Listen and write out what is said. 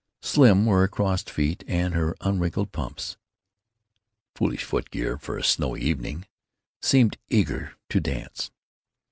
Slim were her crossed feet, and her unwrinkled pumps (foolish footgear for a snowy evening) seemed eager to dance.